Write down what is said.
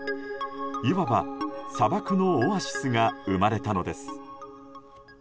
いわば、砂漠のオアシスが生まれたのです。